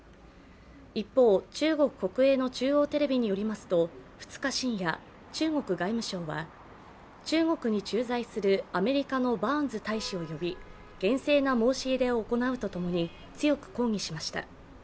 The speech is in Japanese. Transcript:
一方、中国国営の中央テレビによりますと２日深夜、中国外務省は中国に駐在するアメリカのバーンズ大使を呼び厳正な申し入れを行うとともに強く抗議しました。